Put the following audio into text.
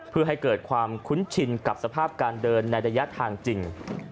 เพื่อให้เกิดความคุ้นชินกับสภาพการเดินในระยะทางจริง